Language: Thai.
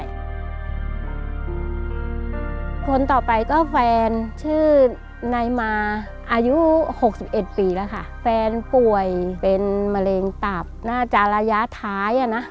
อยู่กับแฟนมาอายุหกสิบเอ็ดปีแล้วค่ะแฟนป่วยเป็นมะเร็งตับน่าจะระยะท้ายอ่ะนะ